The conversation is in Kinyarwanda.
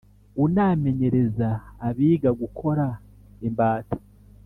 unamenyereza abiga gukora imbata